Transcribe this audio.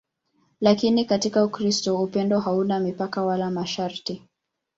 Lakini katika Ukristo upendo hauna mipaka wala masharti.